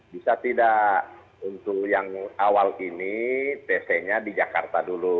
bisa tidak untuk yang awal ini pc nya di jakarta dulu